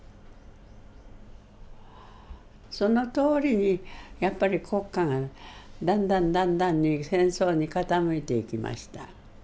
そのとおりにやっぱり国家がだんだんだんだんに戦争に傾いていきました。